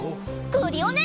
クリオネ！